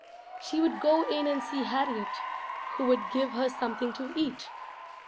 She would go in and see Harriet, who would give her something to eat.